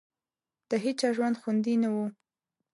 د هېچا ژوند خوندي نه وو.